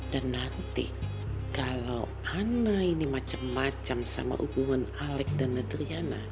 dan nanti kalau ana ini macam macam sama hubungan alex dan adriana